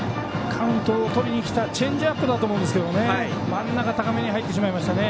カウントをとりにきたチェンジアップだと思うんですが真ん中高めに入ってしまいましたね。